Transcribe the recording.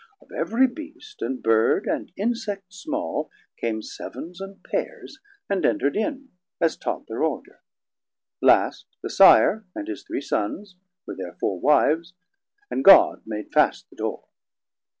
Of everie Beast, and Bird, and Insect small 730 Came seavens, and pairs, and enterd in, as taught Thir order; last the Sire, and his three Sons With thir four Wives, and God made fast the dore.